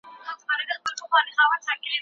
استاد محمد حسین سرآهنګ